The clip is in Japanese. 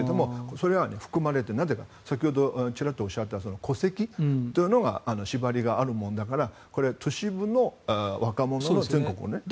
それはなぜかというと先ほど、ちらっとおっしゃった戸籍というのに縛りがあるものだからこれは都市部の若者の全国のね。